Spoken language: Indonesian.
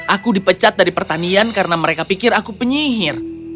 aku dipecat dari pertanian karena mereka pikir aku penyihir